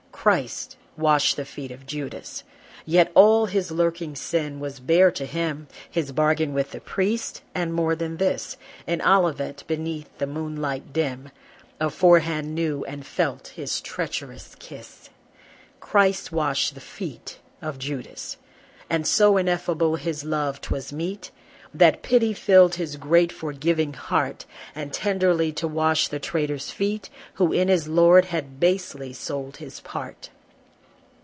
Christ washed the feet of Judas! Yet all his lurking sin was bare to him, His bargain with the priest, and more than this, In Olivet, beneath the moonlight dim, Aforehand knew and felt his treacherous kiss. Christ washed the feet of Judas! And so ineffable his love 'twas meet, That pity fill his great forgiving heart, And tenderly to wash the traitor's feet, Who in his Lord had basely sold his part.